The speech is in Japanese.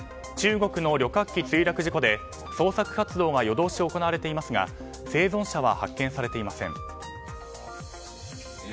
中国の旅客機墜落事故で捜索活動が夜通し行われていますが生存者は発見されていません。